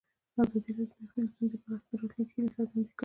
ازادي راډیو د ټرافیکي ستونزې په اړه د راتلونکي هیلې څرګندې کړې.